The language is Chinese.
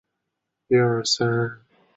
町域北边有东武铁道通过。